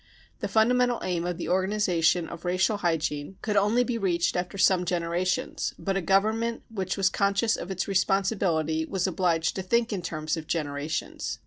The fundamental aim of the organisation of racial hygiene could only be reached after some generations, but a Government which was conscious of its responsibility was obliged to think in terms of generations."